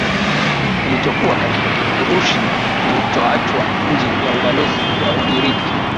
kilichokuwa katika kifurushi kilichoachwa nje ya ubalozi wa ugiriki